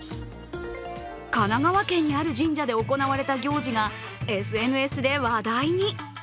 神奈川県にある神社で行われた行事がＳＮＳで話題に。